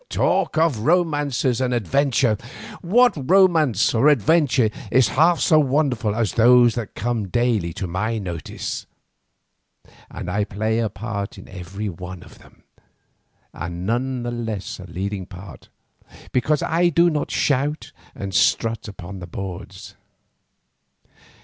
Talk of romances and adventure! What romance or adventure is half so wonderful as those that come daily to my notice? And I play a part in every one of them, and none the less a leading part because I do not shout and strut upon the boards."